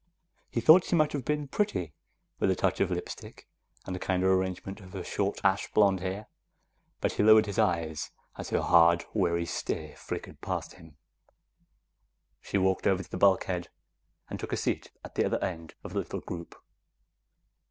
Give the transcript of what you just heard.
He thought she might have been pretty, with a touch of lipstick and a kinder arrangement of her short, ash blonde hair; but he lowered his eyes as her hard, wary stare flickered past him. She walked over to the bulkhead and took a seat at the other end of the little group.